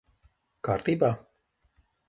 Kārtībā?